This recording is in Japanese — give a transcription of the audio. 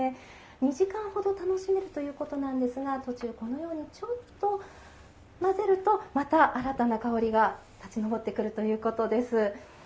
２時間ほど楽しめるということなんですが途中、このようにちょっと混ぜるとまた、新たな香りが立ち上ってくるということです。